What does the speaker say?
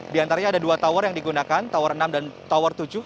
di antaranya ada dua tower yang digunakan tower enam dan tower tujuh